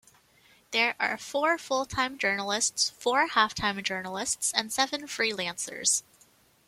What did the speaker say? There are four full-time journalists, four half-time journalists and seven freelancers.